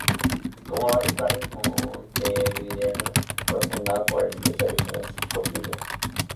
Como varios barrios montevideanos, fue fundado por el empresario Francisco Piria.